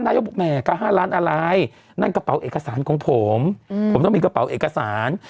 นายกบอกแหมก็๕ล้านอะไรนั่นกระเป๋าเอกสารของผมผมต้องมีกระเป๋าเอกสาร